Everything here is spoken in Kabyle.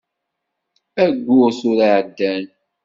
Ayyur tura i iɛeddan.